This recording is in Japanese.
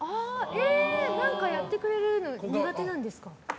何かやってくれるの苦手なんですか？